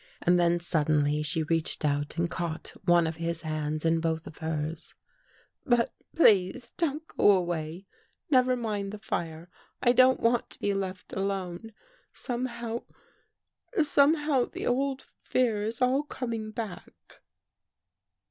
And then suddenly she reached out and caught one of his hands in both of hers. " But — please, don't go away. Never mind the lire. I don't want to be left alone. Somehow — somehow the old fear is all coming back."